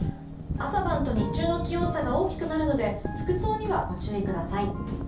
朝晩と日中の気温差が大きくなるので服装にはご注意ください。